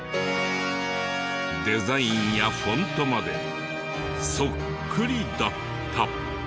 デザインやフォントまでそっくりだった。